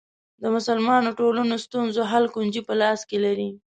د مسلمانو ټولنو ستونزو حل کونجي په لاس کې لري.